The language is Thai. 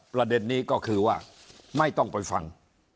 ประเด็นนี้ก็คือว่าไม่ต้องไปฟัง